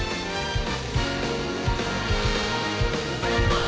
あ。